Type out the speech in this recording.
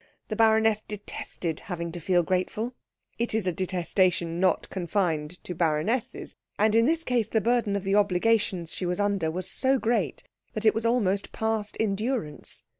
The baroness detested having to feel grateful it is a detestation not confined to baronesses and in this case the burden of the obligations she was under was so great that it was almost past endurance.